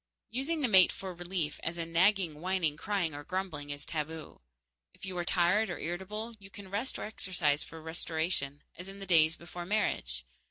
Using the mate for relief, as in nagging, whining, crying, or grumbling, is taboo. If you are tired or irritable, you can rest or exercise for restoration, as in the days before marriage.